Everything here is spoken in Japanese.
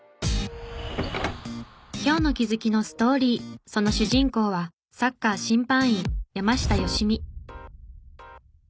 今日の気づきのストーリーその主人公はサッカー審判員山下良美。